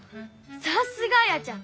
さすがあやちゃん！